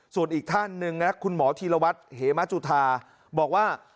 ส่วนอีกท่านหนึ่งนะคุณหมอธีรวัตรเหมจุธาบอกว่า